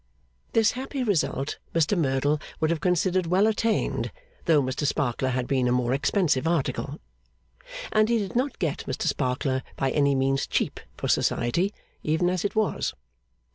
This happy result Mr Merdle would have considered well attained, though Mr Sparkler had been a more expensive article. And he did not get Mr Sparkler by any means cheap for Society, even as it was.